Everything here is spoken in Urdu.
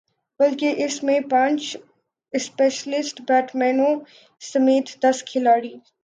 بلکہ اس میں پانچ اسپیشلسٹ بیٹسمینوں سمیت دس کھلاڑی